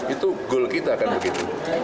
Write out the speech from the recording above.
itu goal kita kan begitu